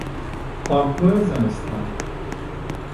پالتو زمستانی